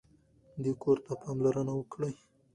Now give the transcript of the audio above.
دې کور ته پاملرنه وکړئ.